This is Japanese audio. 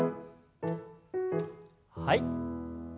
はい。